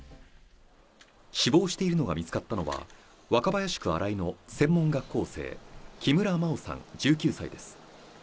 死亡しているのが見つかったのは、若林区荒井の専門学校生・木村真緒さん、１９歳です。